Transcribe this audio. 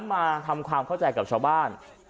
มาทำความเข้าใจกับชาวบ้าน